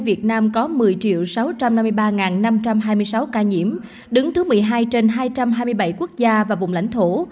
việt nam có một mươi sáu trăm năm mươi ba năm trăm hai mươi sáu ca nhiễm đứng thứ một mươi hai trên hai trăm hai mươi bảy quốc gia và vùng lãnh thổ